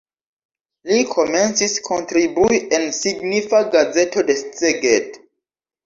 Li komencis kontribui en signifa gazeto de Szeged.